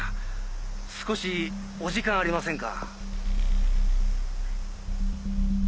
少しお時間ありませんか？